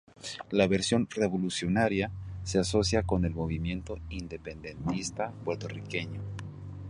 La versión "revolucionaria" se asocia con el movimiento independentista puertorriqueño.